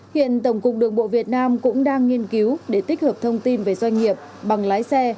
hiện tổng cục đường bộ việt nam cũng đang nghiên cứu để tích hợp thông tin về doanh nghiệp bằng lái xe